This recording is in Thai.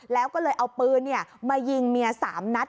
แล้วก็เลยเอาปืนเนี่ยมายิงเมียสามนัด